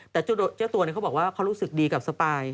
แต่เจ้าตัวเขาบอกว่าเขารู้สึกดีกับสปาย